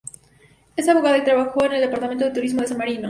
Es abogada y trabajó en el Departamento de turismo de San Marino.